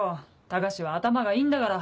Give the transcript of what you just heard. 高志は頭がいいんだから。